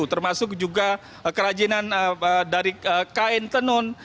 termasuk juga kerajinan dari kain tenun